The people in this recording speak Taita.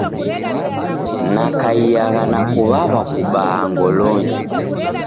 Nakaiagha na kuw'aw'a kubaa ngolonyi.